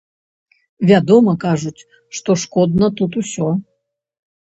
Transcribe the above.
Вядома, кажуць, што шкодна тут усё.